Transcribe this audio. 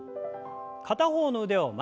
片方の腕を前に。